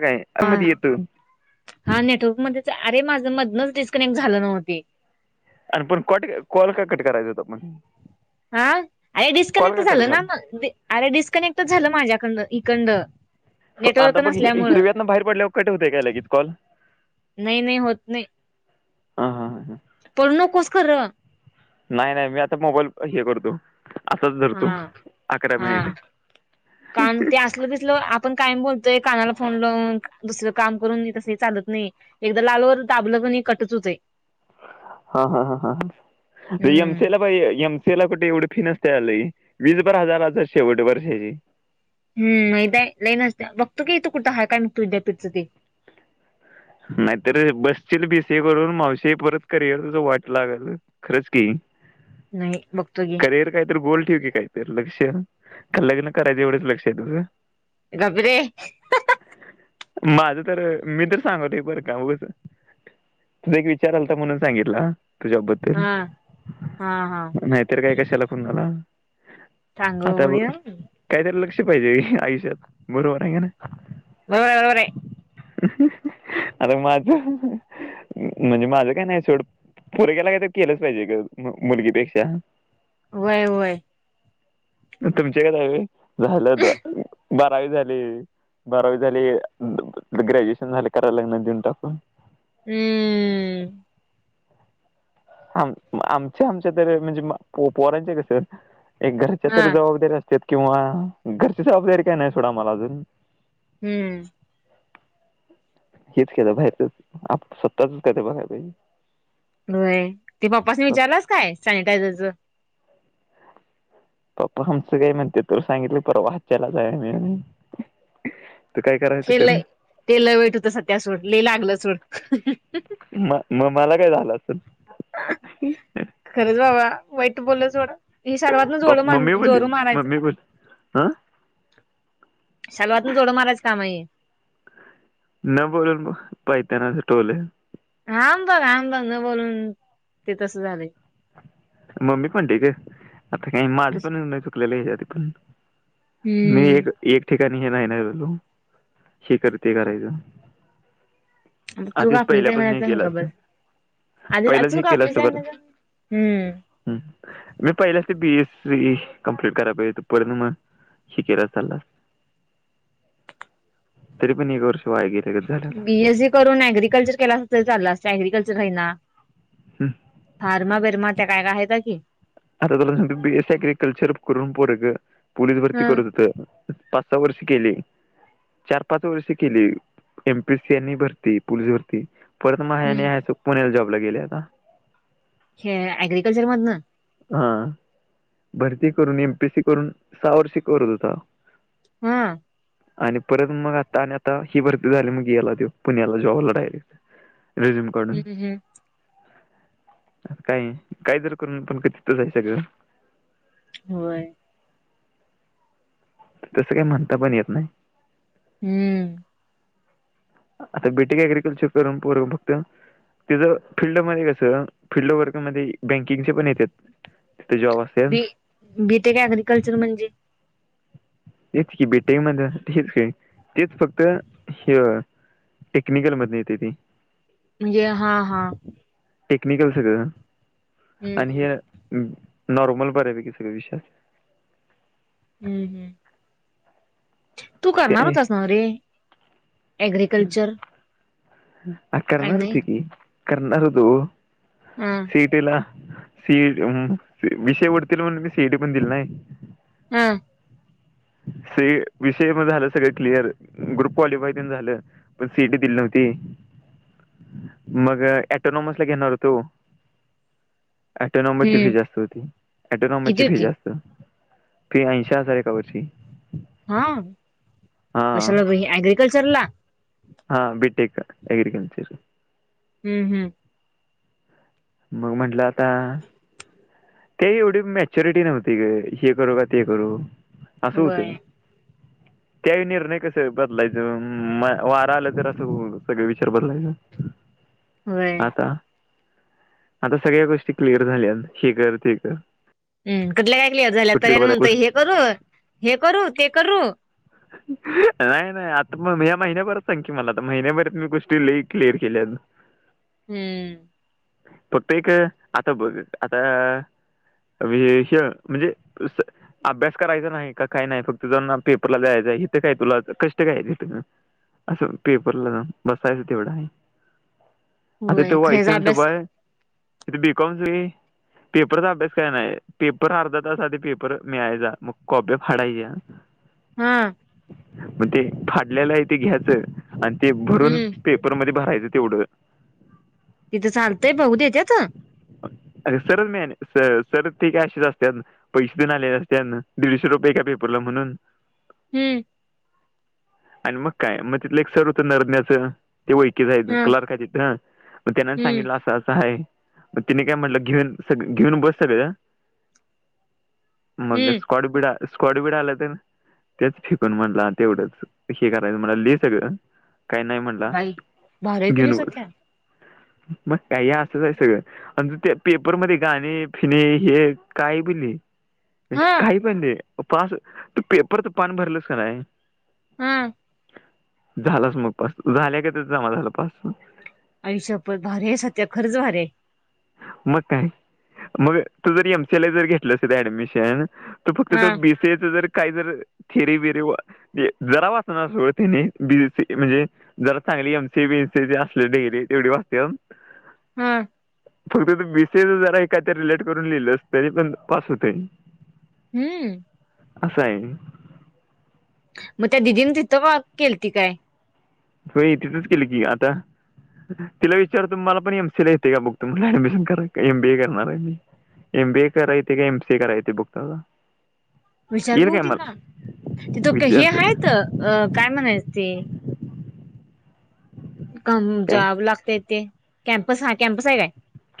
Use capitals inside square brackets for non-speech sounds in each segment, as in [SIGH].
काय हा आवाज येतोय हा नेटवर्क मध्येच हाय अरे माझं मधनच डिस्कनेक्ट झालं नव्ह ते आणि पण काॅट काॅल का कट करायचा होता पण हा अरे कॉल डिस्कनेक्ट का कट झालं ना झाला मग मध्ये अरे डिस्कनेक्ट झालं माझ्याकडणं हिकडण आता बघ हि. हिरव्यातनं बाहेर पडल्यावर कट होतय का लगेच कॉल नाही नाही होत नाही हा हा हा पळू नकोस खरं नाही नाही मी आता मोबाईल अ. हे करतो असंच धरतो हा अकरा हा मिनीट हं. कान हं ते तसलं आपण कायम बोलतोय कानाला फोन लावून दुसरं काम करून तसं हे चालत नाही एकदा लालवर दाबलं कणी कटच होतय हा हा हा ह ह बी एम हम्म केलात होय एम सी ला कुठे एवढी फी नसत्या लई जेणेकरून हजारच हाय शेवट वर्षाची हम् माहीत आहे लई नसत्या बघतो की इथं कुठं आहे काय मुक्तविद्यापीठचं ते नाहीतर बसशील बी सी ए करून मावशी परत करिअर वाट लागायच खरंच की नाही बघतो की करियर काय तर गोल ठेव की काय तर लक्ष का लग्न करायचं एवढंच लक्ष आहे तुझ गप रे माझं तर मी तर चावट हाय बर का उगच तुझा एक विचार आलता म्हणून सांगितला हा तुझ्याबद हा हा हा नाहीतर काय कशाला फोन झाला आता बघ सांगू काहीतरी लक्ष पाहिजे आयुष्यात बरोबर आहे का नाही होय बरोबर आहे हं. हं. हं. आता माझं ह ह म्हणजे माझं काय नाही सोड फोरं केला काही तर केलंच पाहिजे का मुलगीपेक्षा व्हय व्हय तुमच्याकडे झालं बारावी झाली बारावी झाली ग्रॅज्युएशन झाले करायला लग्न देऊन टाकून हम्म आम आमच्या आमच्या तर म्हणजे पोरांचे कस एक घरच्या हा तर जबाबदारी असत किंवा घरची जबाबदारी काही नाही सोडा मला अजून हम्म हेच केलं बाहेरचच स्वतच का ते बघाय पाहिजे होय ते पप्पाासने विचारलंच काय सॅनिटायझरचं पप्पा आमचं काय म्हणते तु सांगितलं पर वाचायला जाय मिून तू काय करायच हे करू लय ते ल वेट होत स त्या्या सूड लि लागलं सूड म मग मला काय झालं असल खरंच बाबा वाईट बोलण सोडा हे सर्वातन मम्मी जोरू बोलली जोरू मारायचं मम्मी बोल हा शालवातनं जोडं मारायच काम हाय हे न बोलून पायताण टोलं हाम बघ हाम बघ न बोलून ते तस झालय मम्मी पण ठीक आहे आता हे माझं पण ल चुकलेलं आहे आधी पण मी हम्म एक एक ठिकाणी हे नाही ना बललो हे कर ते करायचं आता चुक आधीच आपलीच आहे पहिल्यापासून हे म्हणायचं आणि केलं गप असतं बसायच आणि पहिलाच चुक आपली आपली आहे म्हणजे हम् ह मी पहिले असते बीएस सी कम्प्लीट कराय पाहिजे त पण मग कितीदा चालला [UNINTELLIGIBLE] तरीपण न कर वाया गेल्यागत झालं बीएस जी करून अऍग्रिकल्चर केला अस ते चाललं असतं अग्रिकल्चर आहे ना हं. फार्मा बिर्मा त्या काय का आहेत का की आता तुला स बी एस एग्रीकल्चर करून पोर ग पोललीस भरती हा करत होत पाच सहा वर्ष केली चार पाच वर्ष केली एमपीसी यांनी भरती पोलीस भरती परत म आहे आणि हम्म. आहे पुण्याला जॉबला गेले आता हे अग्रिकल्चर मधन हा भरती करून एमपीएस सी करून सहा वर्षी करत होता हा आणि परत मग आता आणि आता ही भरती झाली मग याला ते पुण्याला जॉबला डायरेक्ट रिझूम काडून हम्म हम्म. काय काय जर करून पण तिथंच आहे सगळं होय तसं काही म्हणता पण येत नाही हम्म आता बेटीक अग्रिकल्चर करूनर फक्त तिचं फिल्डमध्ये कस फिल्ड वर्क म बँकिंगचे पण येत जॉब असेल बी बीटेक अग्रिकल्चर म्हणजे तेच की बेटिंग मध्ये हेच का तेच फक्त हे टेक्निकल मध येते ती म्हणजे हा हा टेक्निकल सगळं हम्म आणि हम्म हे नॉर्मल बऱ्यापैकी सगळे विषया हम्म हम् तू करणार ते होतस ना रे एग्रीकल्चर आ करणार होतो की करणार होतो. हा. त्याला सी हम्म विषय वाढतील म्हणून मी सी इ टी पण दिल नाही. हा से विषय मग झालं सगळ क्लिअर ग्रुप क्वालिफाय झालं! सी इ टी दिली नव्हती. मग ऑटोनोमस ला घेणार होतो. ॲटोनोमसची फी हम्म. जास्त होती ॲटोनोमसची किती फी होती जास्त - ते ऐंशी हजार एका वर्षी - हां कशाला बाई अग्रिकल्चर ला - हां बीटेक ॲग्रिकल्चर - हम्म हम् मग म्हटलं आता - ते एवढी मॅच्युरिटी नव्हती ग हे करू काय ते करू असं व्हय होतं. [UNINTELLIGIBLE] त्याही निर्णय कस बदलायच वारा आलं तर असं सगळे विचार बदलायच. [UNINTELLIGIBLE] आता आता सगळ्या गोष्टी क्लिअर झाल्या हे कर ते कर. हम् कधल्या कायकली झाल्या कुठली तर बरं म्हणतय गोष्ट हे करू हे करू ते करू. नाही नाही आता म या्या महिन्याभरात सांग की मला आता महिन्याभरात मी गोष्टी ल क्लिअर केल्या. हम्म. फक्त एक आता बघ आता बी ए सी म्हणजे अस. अभ्यास करायचा नाही का काय नाही फक्त जाऊन पेपरला द्यायचं इथे काय तुला कष्ट काय आहे इथ. असं पेपरला जाऊ बसायचं तेवढं आहे आता ते होय व्हाय खरेच सी एम, अभ्यास इथ बी कॉ पेपरचा अभ्यास काय नाही पेपर अर्धा तास आधी पेपर मिळायचा मग कॉप्या पाडायच्या. हां. मग ते फाडल्याला आहे ते घ्यायचं आणि ते भरून हम्म. पेपरमध्येध्ये भरायचं तेवढं तिथं चालतंय बघू देत्यात. अ सर मेन सर ते काय अशीच असत्यात. पैसे देऊन आलेले त्यानं दीडशे रुपये का पेपरला म्हणून हम्म. आणि मग काय मग तिथलं एक सर होतं नरंदेच ते ओळखीच आहेत हा. क्लर्काचे मग त्याना हम्म. सांगितलं असं असं आहे. मग तिने काय म्हटलं घेऊन सग घेऊन बस सगळ मग हम्म. स्कॉडबिड स्कॉडबिड आला ना तेच फिकून म्हटलं तेवढंच हे करायचं म्हटलं सगळं काही नाही म्हणला बाई भारी आहे की रे घेऊन बस. सत्या. मग काही असंच आहे सगळं आणि त त्या पेपरमध्येध गाणी फिनी हे काय बि ली म्हणजे हा. काही पण दे पास तू पेपर तर पान भरलस का नाही. हा. झालंच मग पास झाल्यागत ते जमा झालं पास आई शपथ भारी सत्या खरंच भारी आहे. मग काय मग तू जर एमसील जर घेतलं अस ऍडमिशन तर फक्त हा. तर बीसी एच जर काय जर थेरी बिरी ते जरा वाचणार सोड त्यांनी बी सी ए म्हणजे जरा चांगली एम सीए बीसी असले डिग्री तेवढी वाचतेत. हम. फक्त बी सी ए जरा काहीत रिलेट करून लिहिलं अस तरी पण पास होतय. हम्म. असं आहे. मग त्या दिदीनी तिथं वा केली त काय? हो तिथंच केली की आता तिला विचार तुम्हाला पण एम सी ला येते का बु तुम्हाला ऍडमिशन करा एम बीए करणार आहे मी एम बी ए काराये का एम सी काराये बघतात. विचार बघती ना तिथ हे विचारतो आहे काय म्हणायचं ते क काय जॉब लागतेय ते कॅम्पस हा कॅम्पस आहे काय?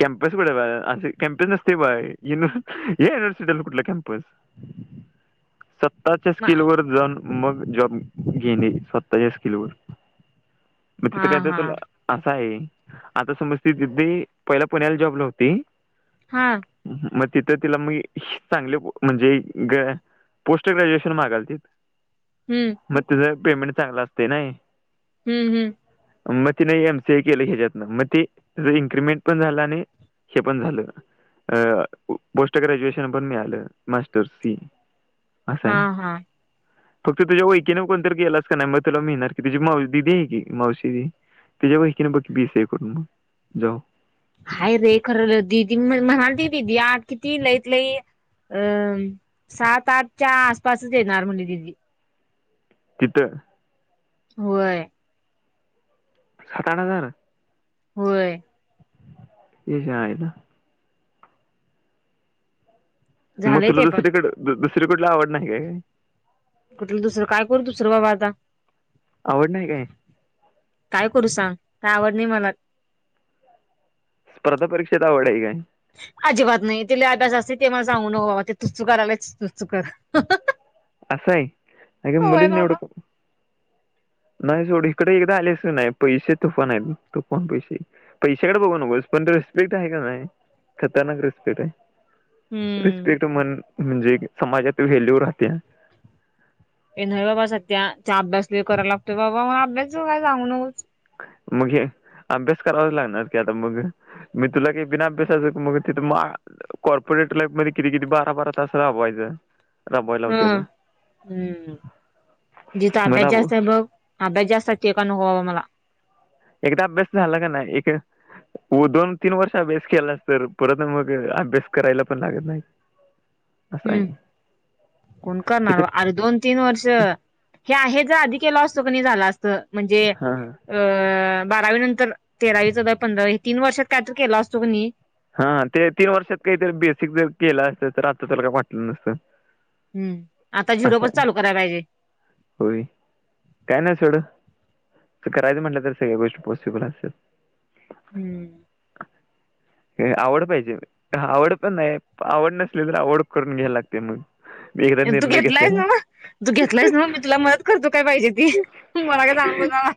कॅम्पस कुठे बा असे कॅम्पस नसते बाय युनिव्हर्सिटीला कुठला कॅम्पस [INAUDIBLE] स्वतःच्या म- स्किल वर जाऊन मग जॉब घेणे स्वतःच्या स्किल वर मग हा तिथं काय हा. तर असं आहे आता समज ति तिे पहिला पुण्याला जॉबला हो्हती. हा. मग तिथं तिला मग चांगले म्हणजे ग. पोस्ट ग्रॅज्युएशन मागातील हम्म मग तचं पेमेंट चांगलं असते नाही. हम्म हम् मग ते नाही एम सी ए केलं ह्याच्यात ना मग ते इनक्रिमेंट - पण झालं आणि हे पण झालं अ पोस्ट ग्रॅज्युएशन पण मी आलं मास्टर्स सी असश आहे हा हा. फक्त तुझ्या ईकीने कोणतरी गेलास का नाही मग तुला मिळणार की तुी मादी आहे की माौशीदी तच्याेवर हे कन बाकी बीस ए करून मग जाऊ हाय रे खरं ददी म्हणाल त दिीदी आ किती लईत लई अ सात आठच्या आसपासच आहे नॉर्मली दिदी किती होय सात आठ हजार होय येशयता मग झालंय तुला ते पण दुसरीकड दुसरीकडला आवड नाही काय का कुठ दुसर काय करू तुसर बाबा आता आवड नाही काय काय करू सांग का आवड नाही मला स्पर्धा परीक्षेत आवड आहे काय अजिबात नाही तिला अभ्यास असते ते मला सांगू न बाबा ते तू चुक आलायच तू चुक असं आहे अे मुलीच नाही बाबा एवढं नाही सोड इकडे एकदा आलेस नाही पैसे तुफान आहेत तुफान पैसे पैशाकडे बघू नकोस पण रिस्पेक्ट आहे का नाही खतरनाक रिस्पेक्ट आहे हम्म रिस्पेक्ट म्हण म्हणजे समाजात हेल्लीवर राहते हे न बाबा सध्याच्या अभ्यास ल करायला लागतोय बाबा मग अभ्यास जऊ काय जाांग नकू मग हे अभ्यास करावा लागणार की आता मग मी तुला काही बिना अभ्यासाच मग तिथ मग कॉर्पोरेट लाईफ म किती किती बारा बारा तास राबवायचं राबवायला हा होते हम्म जिथं अभ्यास मला जास्त आहे मघ ह बे ज जास्ततव काण होोवा मला एकदा अभ्यास झाला का नाही एक व दोन तीन वर्ष अभ्यास केला अस तर परत मग अभ्यास करायला पण लागत नाही असं आहे हम्म कोण करणार इथं अरे दोन तीन वर्ष हे आहे ज आधी लॉस कणी झाला असत म्हणजे हां अ बारावी नंतर तेरावी चौदावी पंधरावी तीन वर्षात कायतरी केला असतो की हा ते तीन वर्षात काहीत बेसिक जर केलं असत तर आता त्याला काय वाटलं नसतं हम् आता असं झिरोपच आहे चालू करायला पाहिजे होय काय ना सोडं करायचं म्हटलं तर सगळ्या गोष्ट पॉसिबल असेल हम्म आवड पाहिजे आवड पण नाही आवड नसली तर आवड करून घ्यायला लागते मग एकदा तू निर्णय घेतला आहे घेतलेला ना ना तू घेतलायस ना मग मी तुला मदत करतो काय पाहिजे ती मला का जाऊ बनावा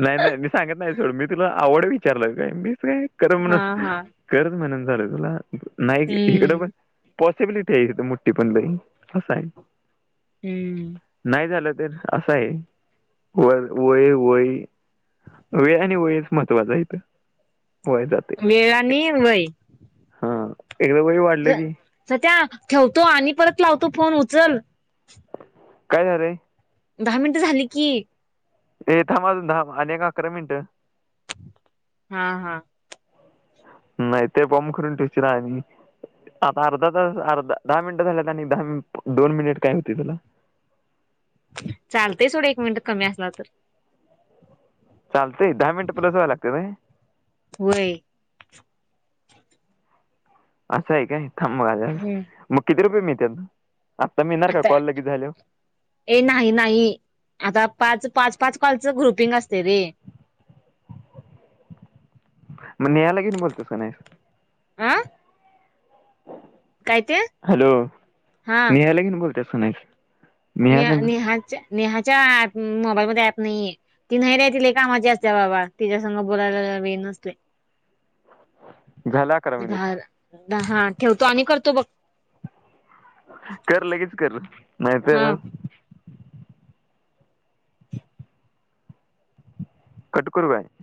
नाही नाही मी सांगत नाही सोड मी तुला आवड विचारलं काय मीच काय कररं म्हण हा हा करत म्हणेून चाले तुला नाही इकडं हम्म पण पॉसिबिलिटी आहे मुठठी पण लई असं आहे हम्म नाही झालं तर असं आहे व वय वय वेळ आणि वयच महत्त्वाचा आहेथं वय जात वेळाने वय हा एकदा वळी वाढलं की स त्या्या ठेवतो आणि परत लावतो फोन उचल काय झालंय दहा मिनिट झाली की ए थांबजून धांब अ आणिक अकरा मिनिटं हा हा नाही ते बॉ्ब करून ठेवची ना आम्ही आता अर्धा त अर्धा दहा मिनिटं झाल्यात आणि दहा मि दोन मिनिट काय होते तुला चालतय थोडं एक मिनट कमी असला तर चालतय दहा मिनट पलसवय लागत ते वय असं आहे काय थांब आल्या हम्म मग किती रुपये मिळ आत्ता मिळणार का आता कॉल लगेच झाल ए नाही नाही आता पाच पाच पाच कालचं ग्रुपिंग असते रे मग नेहायला घेऊन बोलतो सुनाश आं हॅलो हा नहाला कीन बोलत सुनाश ने नेहाच्या नेहाच्याप मोबाईलमध्येध्ये ऍप नाहीये ती नरहतील एक कामाची असते बाबा तिच्यास बोलायला वे नसले झालं अकरा मिनिट विधार हा ठेवतो आणि करतो बघ कर लगेच कर नाहीत हा कटकुरवाय